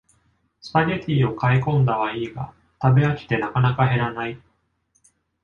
スパゲティを買いこんだはいいが食べ飽きてなかなか減らない